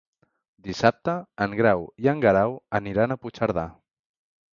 Dissabte en Grau i en Guerau aniran a Puigcerdà.